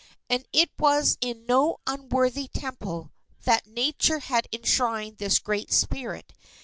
And it was in no unworthy temple, that Nature had enshrined this great spirit.